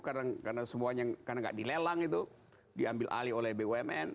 karena semuanya tidak dilelang itu diambil alih oleh bumn